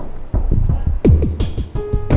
aku tak saya harus ke sana